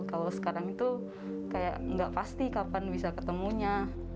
kalau sekarang itu kayak nggak pasti kapan bisa ketemunya